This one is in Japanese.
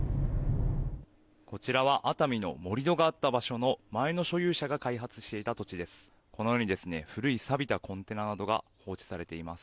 こちらは熱海の盛り土があった場所の前の所有者が開発していた土地です。